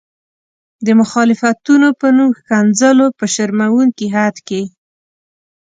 د مخالفتونو په نوم ښکنځلو په شرموونکي حد کې.